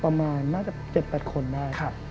ประมาณน่าจะ๗๘คนได้